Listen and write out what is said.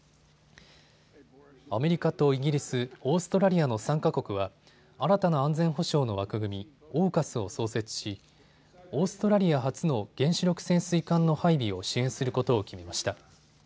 アメリカとイギリス、オーストラリアの３か国は新たな安全保障の枠組み、ＡＵＫＵＳを創設しオーストラリア初の原子力潜水艦の配備を支援することを決めました。